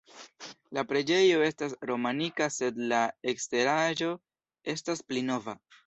La preĝejo estas romanika sed la eksteraĵo estas pli nova.